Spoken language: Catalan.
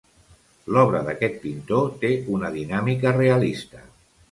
L'obra d'aquest pintor té una dinàmica realista.